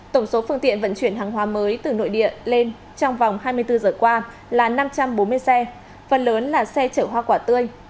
tổng số phương tiện vận chuyển hàng hóa mới từ nội địa lên trong vòng hai mươi bốn giờ qua là năm trăm bốn mươi xe phần lớn là xe chở hoa quả tươi